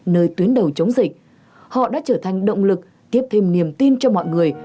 nơi tuyến đầu chống dịch họ đã trở thành động lực tiếp thêm niềm tin cho mọi người